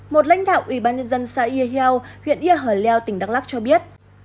một lãnh đạo ủy ban nhân dân xã yêu hèo huyện yêu hở leo tỉnh đắk lắc cho biết